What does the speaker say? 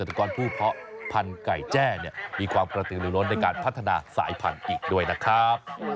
ได้ประกาศนียบัตรกลับบ้านไปด้วยนะ